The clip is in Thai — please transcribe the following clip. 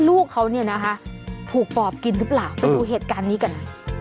ลูกเขาเนี่ยนะคะถูกปอบกินหรือเปล่าไปดูเหตุการณ์นี้กัน